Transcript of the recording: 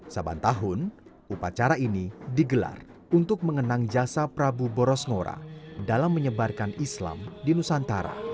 saban tahun upacara ini digelar untuk mengenang jasa prabu boros ngora dalam menyebarkan islam di nusantara